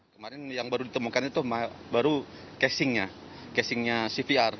kemarin yang baru ditemukan itu baru casingnya casingnya cvr